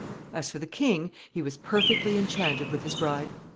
] As for the king, he was perfectly enchanted with his bride.